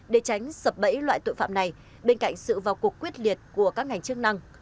để tránh sập bẫy loại tội phạm này bên cạnh sự vào cuộc quyết liệt của các ngành chức năng